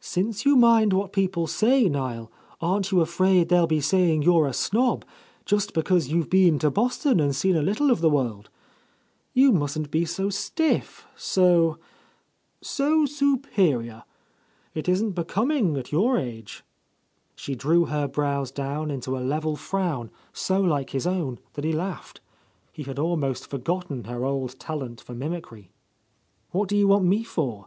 "Since you mind what people say, Niel, aren't you afraid they'll be saying you're a snob, just because you've been to Boston and seen a lit tle of the world? You mustn't be so stiff, so —— 1 ? 7 — A Lost Lady so superior! It isn't becoming, at your age." She drew her brows down into a level frown so like his own that he laughed. He had almost forgotten her old talent for mimicry. "What do you want me for?